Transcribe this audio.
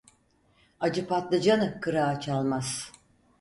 Acı patlıcanı kırağı çalmaz.